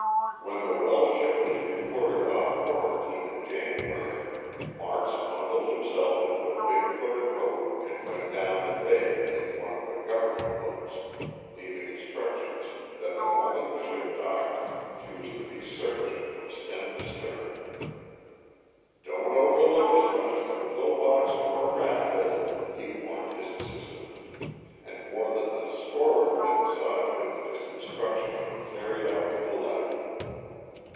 When the Welsh ship was reported off quarantine in January, Marks bundled himself into a big fur coat and went down the bay in one of the government boats, leaving instructions that, the moment the ship docked, she was to be searched from stem to stern. "Don't overlook as much as a pill box or a rat hole," he warned his assistants, and more than a score of men saw to it that his instructions were carried out to the letter.